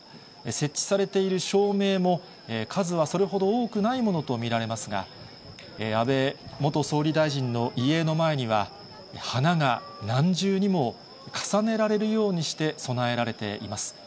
設置されている照明も、数はそれほど多くないものと見られますが、安倍元総理大臣の遺影の前には、花が何重にも重ねられるようにして供えられています。